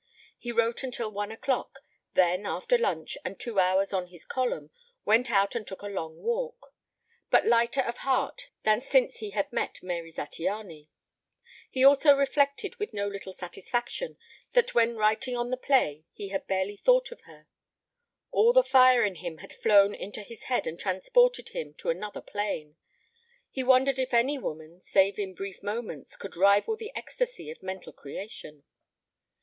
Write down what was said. He wrote until one o'clock, then, after lunch and two hours on his column, went out and took a long walk; but lighter of heart than since he had met Mary Zattiany. He also reflected with no little satisfaction that when writing on the play he had barely thought of her. All the fire in him had flown to his head and transported him to another plane; he wondered if any woman, save in brief moments, could rival the ecstasy of mental creation.